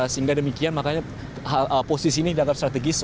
sehingga demikian makanya posisi ini dianggap strategis